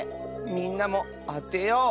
みんなもあてよう！